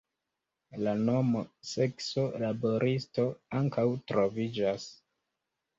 La nomo sekso–laboristo ankaŭ troviĝas.